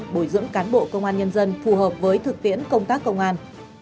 bồi dưỡng cán bộ công an nhân dân phù hợp với thực tiễn công tác công an